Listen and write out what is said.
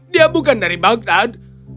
dia bukan dari baghdad